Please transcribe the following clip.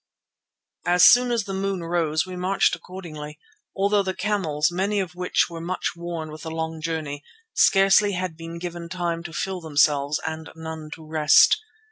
As soon as the moon rose we marched accordingly, although the camels, many of which were much worn with the long journey, scarcely had been given time to fill themselves and none to rest.